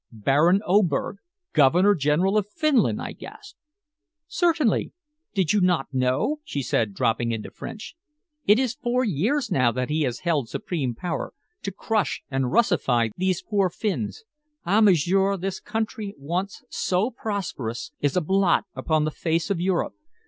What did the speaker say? "Baron Oberg Governor General of Finland!" I gasped. "Certainly. Did you not know?" she said, dropping into French. "It is four years now that he has held supreme power to crush and Russify these poor Finns. Ah, m'sieur! this country, once so prosperous, is a blot upon the face of Europe.